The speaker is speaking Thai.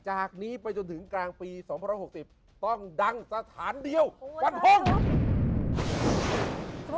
จากนี้ไปถึงกลางปีเข้าไปให้สหนสานเดียววันพรงค์